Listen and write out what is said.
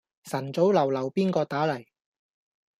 晨早流流邊個打黎